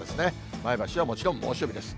前橋はもちろん猛暑日です。